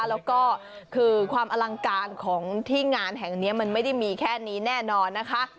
แล้วก็คือความอลังการของที่งานแห่งนี้มันไม่ได้มีแค่นี้แน่นอนนะคะ